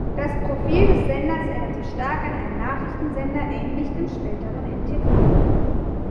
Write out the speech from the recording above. Das Profil des Senders erinnerte stark an einen Nachrichtensender, ähnlich dem späteren n-tv.